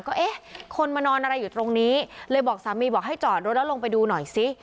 ก็เอ๊ะคนมานอนอะไรอยู่ตรงนี้เลยบอกสามีบอกให้จอดรถแล้วลงไปดูหน่อยซิ